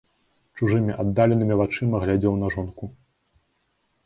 Чужымі, аддаленымі вачыма глядзеў на жонку.